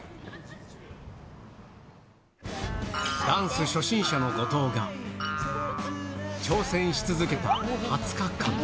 ダンス初心者の後藤が、挑戦し続けた２０日間。